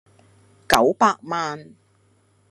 九百萬